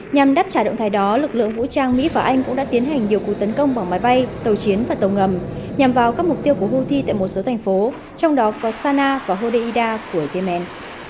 nhằm đáp trả động thái đó lực lượng vũ trang mỹ và anh cũng đã tiến hành nhiều cuộc tấn công bằng máy bay tàu chiến và tàu ngầm nhằm vào các mục tiêu của houthi tại một số thành phố trong đó có sanaa và hodeida của yemen